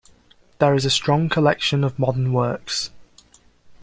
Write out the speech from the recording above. There is a strong collection of modern works.